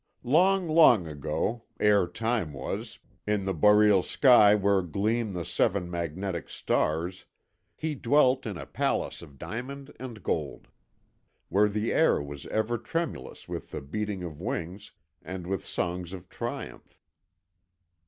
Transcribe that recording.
Long, long ago, ere Time was, in the boreal sky where gleam the seven magnetic stars, he dwelt in a palace of diamond and gold, where the air was ever tremulous with the beating of wings and with songs of triumph.